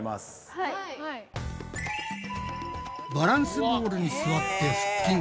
バランスボールに座って腹筋。